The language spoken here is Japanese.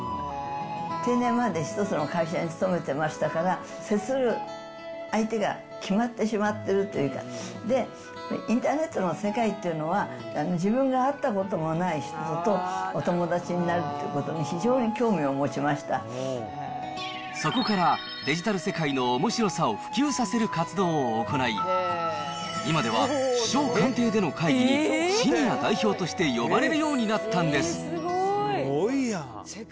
定年まで一つの会社に勤めてましたから、接する相手が決まってしまってるというか、インターネットの世界っていうのは、自分が会ったこともない人とお友達になるっていうことに非常に興そこから、デジタル世界のおもしろさを普及させる活動を行い、今では首相官邸での会議にシニア代表として呼ばれるようになったんです。